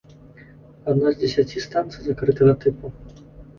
Адна з дзесяці станцый закрытага тыпу.